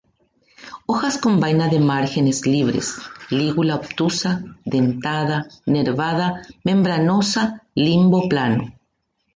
Hojas con vaina de márgenes libres; lígula obtusa, dentada, nervada, membranosa; limbo plano.